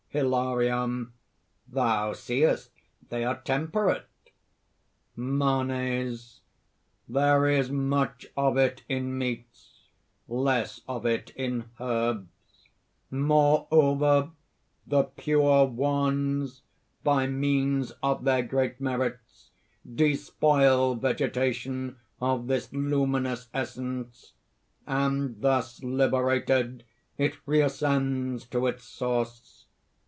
HILARION. "Thou seest, they are temperate!" MANES. "There is much of it in meats, less of it in herbs. Moreover the Pure Ones, by means of their great merits, despoil vegetation of this luminous essence; and, thus liberated, it reascends to its source.